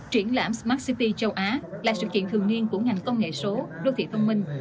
triển lãm smart city châu á là sự kiện thường niên của ngành công nghệ số đô thị thông minh